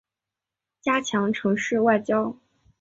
加强城市外交